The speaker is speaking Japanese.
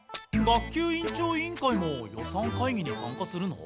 学級委員長委員会も予算会議にさんかするの？